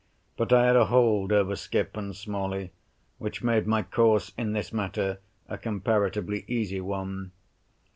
But I had a hold over Skipp and Smalley which made my course in this matter a comparatively easy one.